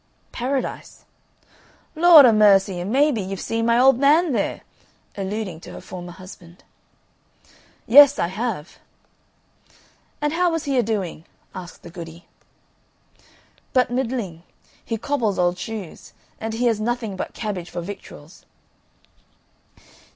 "Paradise." "Lord a' mercy! and maybe you've seen my old man there," alluding to her former husband. "Yes, I have." "And how was he a doing?" asked the goody. "But middling; he cobbles old shoes, and he has nothing but cabbage for victuals."